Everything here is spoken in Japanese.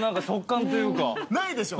ないでしょ？